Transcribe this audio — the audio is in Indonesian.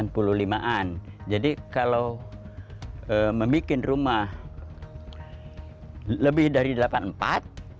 uang dua puluh sembilan juta rupiah yang diberikan oleh pemerintah jatigede adalah keuntungan yang sangat penting untuk membuat rumah yang sempurna dan menyenangkan